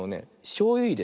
しょうゆいれね